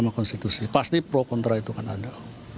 pasti pro kontra itu kan ada